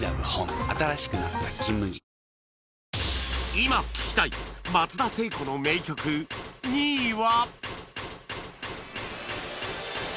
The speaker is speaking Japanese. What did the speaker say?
今聴きたい松田聖子の名曲２位は